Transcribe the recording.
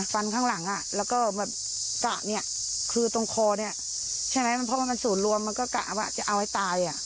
ฟันข้างหลังอ่ะแล้วก็แบบกะเนี่ยคือตรงคอเนี่ยใช่ไหมเพราะว่ามันศูนย์รวมมันก็กะว่าจะเอาให้ตายอ่ะ